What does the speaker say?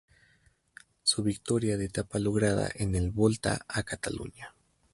Su victoria de etapa lograda en el Volta a Cataluña.